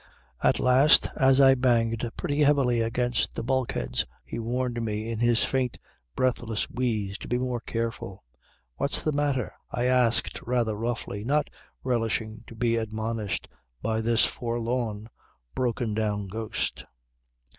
At last as I banged pretty heavily against the bulkheads he warned me in his faint breathless wheeze to be more careful. "What's the matter?" I asked rather roughly, not relishing to be admonished by this forlorn broken down ghost.